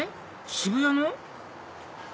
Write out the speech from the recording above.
渋谷の？